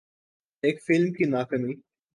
ایک فلم کی ناکامی